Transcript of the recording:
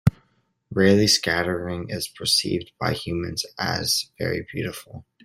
Raleigh scattering is perceived by humans as very beautiful.